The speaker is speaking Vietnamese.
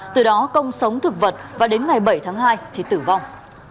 từ đó công sống thực vật và đến ngày bảy tháng hai thì tử vong